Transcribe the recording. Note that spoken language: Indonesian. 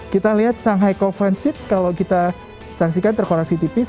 kita lihat shanghai co bank kalau kita saksikan terkoreksi tipis